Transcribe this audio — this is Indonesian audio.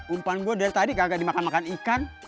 umbuan gue dari tadi gak dimakan makan ikan